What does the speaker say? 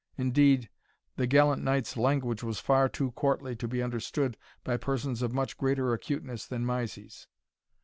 Indeed, the gallant knight's language was far too courtly to be understood by persons of much greater acuteness than Mysie's.